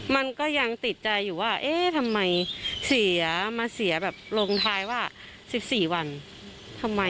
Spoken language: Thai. มันก็ยังติดใจอยู่ว่าเอ๊ะทำไมเสียมาเสียแบบลงท้ายว่า๑๔วันทำไม